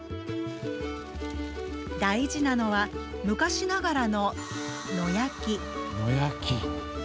大事なのは、昔ながらの野焼き。